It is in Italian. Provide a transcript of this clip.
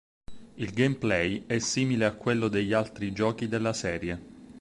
Il gameplay è simile a quello degli altri giochi della serie.